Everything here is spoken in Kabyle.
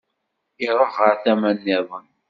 Iruḥ ɣer tama nniḍen.